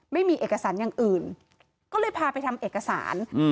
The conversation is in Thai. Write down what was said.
ไม่มีเอกสารอย่างอื่นก็เลยพาไปทำเอกสาร